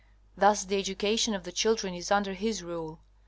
Thus the education of the children is under his rule.